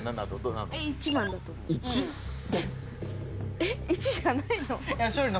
えっ１じゃないの？